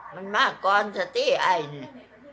มันมากรทะตี้อ่ายนี้